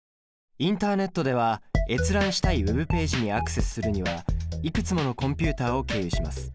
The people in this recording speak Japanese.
インターネットでは閲覧したいＷｅｂページにアクセスするにはいくつものコンピュータを経由します。